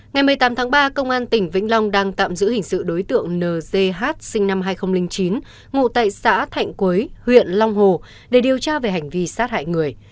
ngày một mươi tám tháng ba công an tỉnh vĩnh long đang tạm giữ hình sự đối tượng nth sinh năm hai nghìn chín ngụ tại xã thạnh quấy huyện long hồ để điều tra về hành vi sát hại người